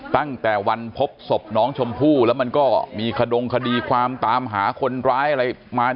ตั้งแต่วันพบศพน้องชมพู่แล้วมันก็มีขดงคดีความตามหาคนร้ายอะไรมา